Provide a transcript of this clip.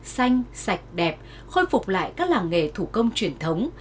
xanh sạch đẹp khôi phục lại các làng nghề thủ công truyền thống